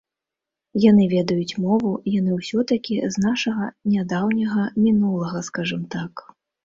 Яны ведаюць мову, яны ўсё-такі з нашага нядаўняга мінулага, скажам так.